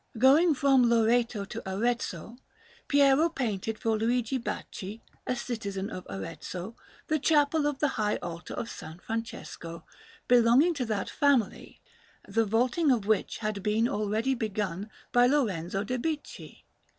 Going from Loreto to Arezzo, Piero painted for Luigi Bacci, a citizen of Arezzo, the Chapel of the High altar of S. Francesco, belonging to that family, the vaulting of which had been already begun by Lorenzo di Bicci.